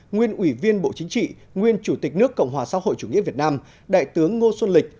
nguyên ủy viên bộ chính trị nguyên chủ tịch nước cộng hòa xã hội chủ nghĩa việt nam đại tướng ngô xuân lịch